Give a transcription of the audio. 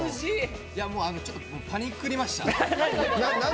ちょっとパニくりました。